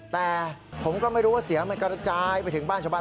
แต่ผมก็ไม่รู้ว่าเสียงมันกระจายไปถึงบ้านชาวบ้าน